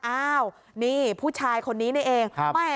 อ้าวนี่ผู้ชายคนนี้นี่เอง